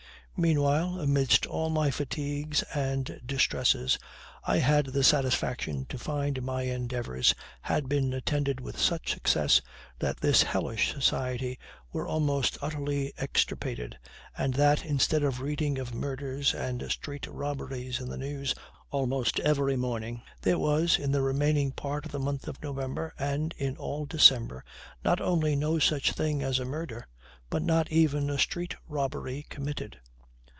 Meanwhile, amidst all my fatigues and distresses, I had the satisfaction to find my endeavors had been attended with such success that this hellish society were almost utterly extirpated, and that, instead of reading of murders and street robberies in the news almost every morning, there was, in the remaining part of the month of November, and in all December, not only no such thing as a murder, but not even a street robbery committed.